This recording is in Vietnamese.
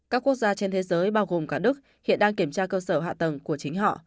các quốc gia trên thế giới bao gồm cả đức hiện đang kiểm tra cơ sở hạ tầng của chính họ